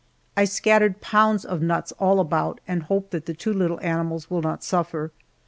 I scattered pounds of nuts all about and hope that the two little animals will not suffer.